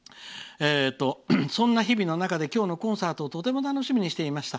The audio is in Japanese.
「そんな日々の中で今日のコンサートをとても楽しみにしていました。